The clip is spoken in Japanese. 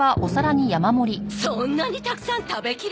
そんなにたくさん食べきれるの？